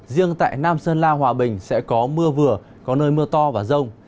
riêng tại nam sơn la hòa bình sẽ có mưa vừa có nơi mưa to và rông